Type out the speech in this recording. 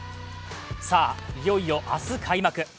さぁ、いよいよ明日開幕。